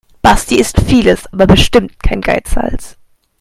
Basti ist vieles, aber bestimmt kein Geizhals.